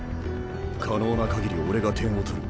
可能な限り俺が点を取る。